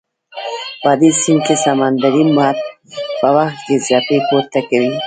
په دې سیند کې سمندري مد په وخت کې څپې پورته کوي.